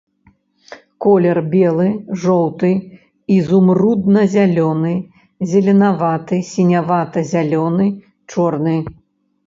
Колер белы, жоўты, ізумрудна-зялёны, зеленаваты, сінявата-зялёны, чорны.